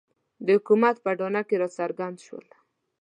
د حکومت په اډانه کې راڅرګند شول.